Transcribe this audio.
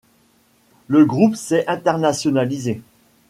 Le groupe s'est internationalisé.